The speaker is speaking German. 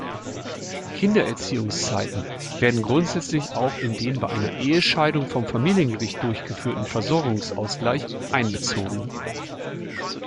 Kindererziehungszeiten werden grundsätzlich auch in den bei einer Ehescheidung vom Familiengericht durchgeführten Versorgungsausgleich einbezogen.